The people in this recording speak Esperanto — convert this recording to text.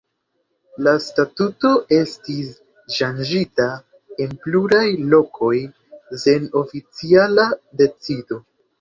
La statuto estis ŝanĝita en pluraj lokoj sen oficiala decido.